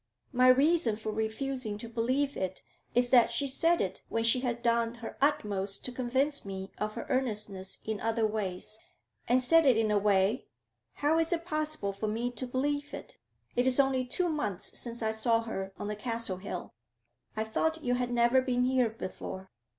'My reason for refusing to believe it is, that she said it when she had done her utmost to convince me of her earnestness in other ways, and said it in a way How is it possible for me to believe it? It is only two months since I saw her on the Castle Hill.' 'I thought you had never been here before?'